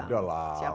ya ada lah